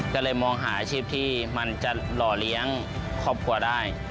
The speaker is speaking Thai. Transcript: ก็เลยมองหาอาชีพที่มันจะหล่อเลี้ยงครอบครัวได้